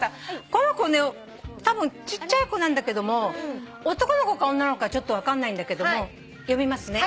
この子ねたぶんちっちゃい子なんだけど男の子か女の子かちょっと分かんないんだけども読みますね。